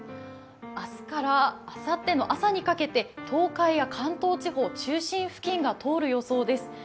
明日からあさっての朝にかけて東海や関東地方、中心付近が通る予想です。